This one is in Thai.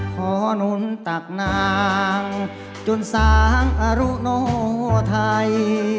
หนุนตักนางจนสางอรุโนไทย